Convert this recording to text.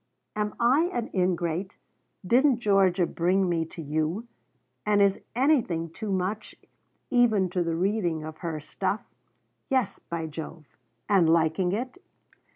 Am I an ingrate? Didn't Georgia bring me to you? and is anything too much, even to the reading of her stuff yes, by Jove, and liking it?